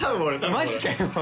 マジかよ。